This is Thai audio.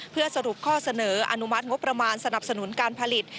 เพื่อสรุปข้อเสนออนุมัติงบประมาณสนับสนุนการผลิต